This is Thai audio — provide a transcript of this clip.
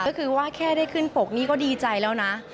ก็คือว่าแค่ได้ขึ้นปกนี่ก็ดีใจแล้วนะ